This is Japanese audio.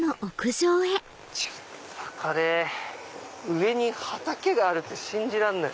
上に畑があるって信じられない。